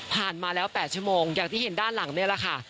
มาแล้ว๘ชั่วโมงอย่างที่เห็นด้านหลังนี่แหละค่ะ